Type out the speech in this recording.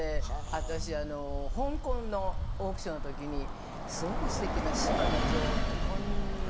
私あの香港のオークションの時にすごくすてきなシバの女王ってこんな。